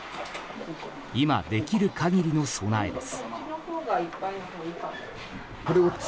今できる限りの備えです。